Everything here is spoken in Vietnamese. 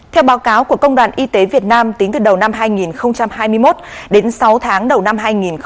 theo báo cáo của công đoàn y tế việt nam tính từ đầu năm hai nghìn hai mươi một đến sáu tháng đầu năm hai nghìn hai mươi bốn